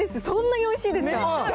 そんなにおいしいですか？